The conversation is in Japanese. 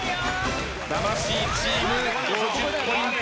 魂チーム５０ポイント